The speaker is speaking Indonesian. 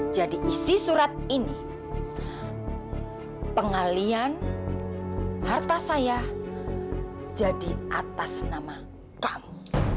jadi isi surat ini pengalian harta saya jadi atas nama kamu